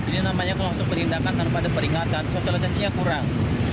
ini namanya waktu perindahkan tanpa ada peringatan sosialisasinya kurang